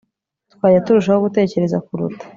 twajya turushaho gutekereza kuruta